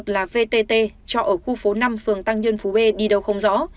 tức là vtt trọ ở khu phố năm phường tăng nhơn phú b đi đâu không rõ